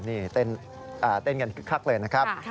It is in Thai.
นี่เต้นกันคึกคักเลยนะครับ